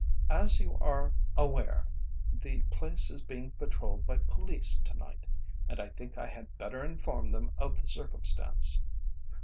As you are aware, the place is being patrolled by police to night, and I think I had better inform them of the circumstance.